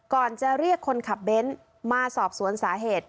ก่อนจะเรียกคนขับเบ้นมาสอบสวนสาเหตุ